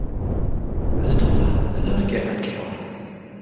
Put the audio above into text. እቲ ተዂላ፡ ነታ በጊዕ ኣጥቂዕዋ።